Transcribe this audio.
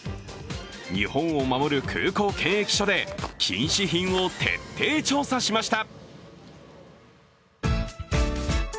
日本を守る空港検疫所で禁止品を徹底調査しました。